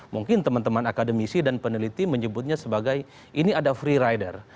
mungkin teman teman akademisi dan peneliti menyebutnya sebagai ini ada free rider